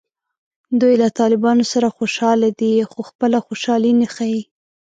دوی له طالبانو سره خوشحاله دي خو خپله خوشحالي نه ښیي